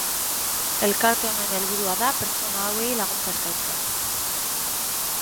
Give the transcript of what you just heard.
Elkarte honen helburua da pertsona hauei laguntza eskaintzea.